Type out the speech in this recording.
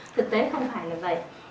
thực tế không phải là vậy